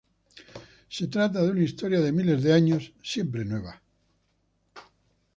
Se trata de "una historia de miles de años, siempre nueva".